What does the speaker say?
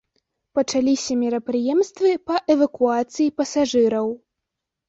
Пачаліся мерапрыемствы па эвакуацыі пасажыраў.